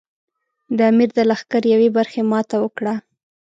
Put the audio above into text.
د امیر د لښکر یوې برخې ماته وکړه.